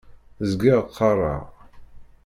Zgiɣ qqaṛeɣ.